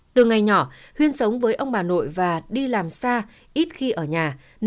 từ ngày nhỏ huyên sống với ông bà nội và đi làm xa ít khi ở nhà